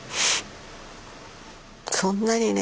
そんなにね